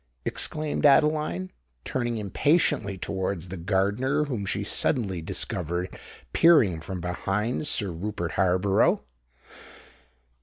exclaimed Adeline, turning impatiently towards the gardener, whom she suddenly discovered peering from behind Sir Rupert Harborough.